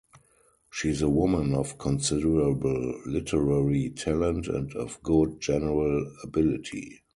She is a woman of considerable literary talent and of good general ability.